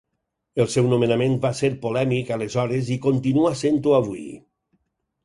El seu nomenament va ser polèmic aleshores i continua sent-ho avui.